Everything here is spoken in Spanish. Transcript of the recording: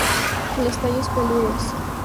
Los tallos peludos.